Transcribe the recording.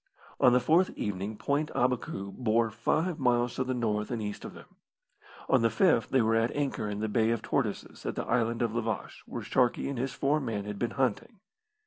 On the fourth evening Point Abacou bore five miles to the north and east of them. On the fifth they were at anchor in the Bay of Tortoises at the Island of La Vache, where Sharkey and his four men had been hunting.